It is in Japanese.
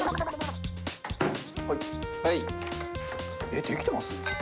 えっできてます？